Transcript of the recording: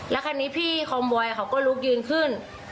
แล้วคราวนี้พี่คอมบอยเขาก็ลุกยืนขึ้น